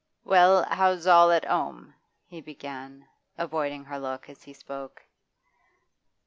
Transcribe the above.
'Well, how's all at 'ome?' he began, avoiding her look as he spoke.